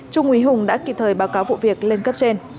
trung úy hùng đã kịp thời báo cáo vụ việc lên cấp trên